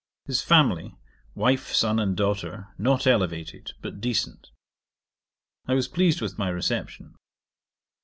His family, wife, son, and daughter, not elevated but decent. I was pleased with my reception.